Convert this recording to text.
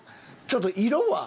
ちょっと色は？